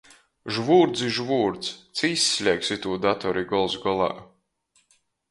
Žvūrdz i žvūrdz, ci izsliegsi tū datori gols golā?